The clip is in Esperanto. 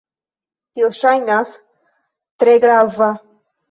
Tio ŝajnas tre grava